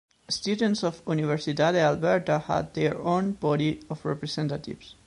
Students of Universidade Aberta have their own body of representatives.